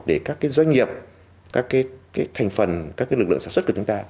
để các cái doanh nghiệp các cái thành phần các cái lực lượng sản xuất của chúng ta